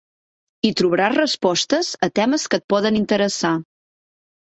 Hi trobaràs respostes a temes que et poden interessar.